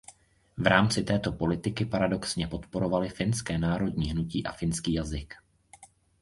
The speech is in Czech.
V rámci této politiky paradoxně podporovali finské národní hnutí a finský jazyk.